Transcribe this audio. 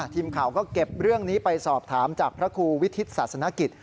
ทีมข่าวก็เก็บเรื่องนี้ไปสอบถามจากพระครูวิทิศศาสนกิจ